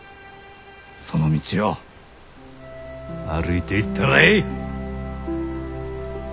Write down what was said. その道を歩いていったらえい！